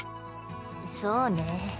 そうね。